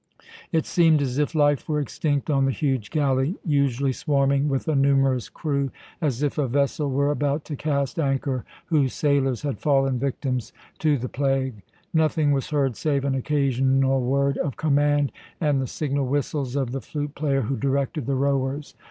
It seemed as if life were extinct on the huge galley usually swarming with a numerous crew; as if a vessel were about to cast anchor whose sailors had fallen victims to the plague. Nothing was heard save an occasional word of command, and the signal whistles of the fluteplayer who directed the rowers.